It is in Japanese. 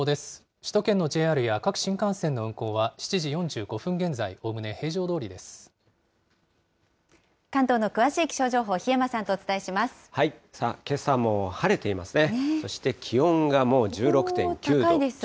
首都圏のＪＲや各新幹線の運行は７時４５分現在、関東の詳しい気象情報、檜山けさも晴れていますね。